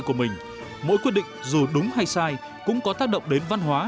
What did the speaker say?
của mình mỗi quyết định dù đúng hay sai cũng có tác động đến văn hóa